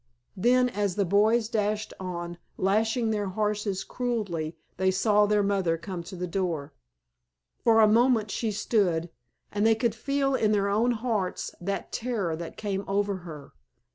Then as the boys dashed on, lashing their horses cruelly, they saw their mother come to the door. For a moment she stood, and they could feel in their own hearts that terror that came over her.